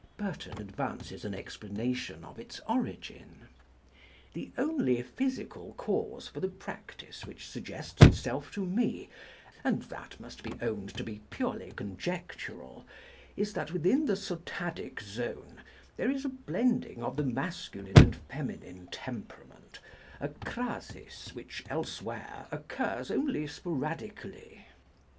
Burton advances an explanation of its origin. "The only physical cause for the practice which suggests itself to me, and that must be owned to be purely conjectural, is that within the Sotadic Zone there is a blending of the masculine and feminine temperament, a crasis which elsewhere occurs only sporadically."